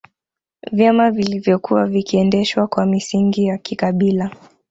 Vyama vilivyokuwa vikiendeshwa kwa misingi ya kikabila